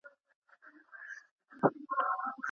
پایزیب په لاس کي نه اچول کېږي.